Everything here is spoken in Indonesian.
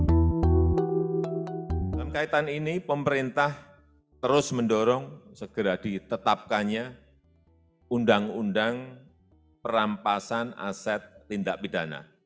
dalam kaitan ini pemerintah terus mendorong segera ditetapkannya undang undang perampasan aset tindak pidana